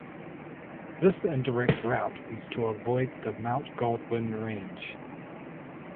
This indirect route is to avoid the Mount Godwin Range.